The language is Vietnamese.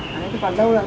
nhưng thiếu hỏa họ làm